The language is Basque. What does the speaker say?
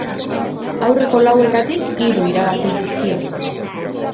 Aurreko lauetatik, hiru irabazi dizkio.